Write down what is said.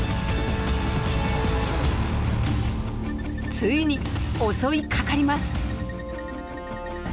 ついに襲いかかります。